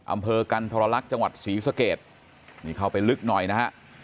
อำเภอกันทรลักษณ์จังหวัดศรีสเกตนี่เข้าไปลึกหน่อยนะฮะ